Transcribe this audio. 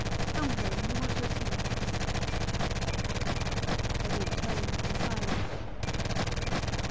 "Come home; you want your tea." They walked home in silence.